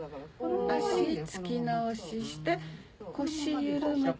足着き直しして腰緩めて。